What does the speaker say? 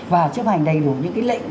và chấp hành đầy đủ những cái lệnh